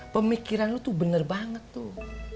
pemikiran lu tuh bener banget tuh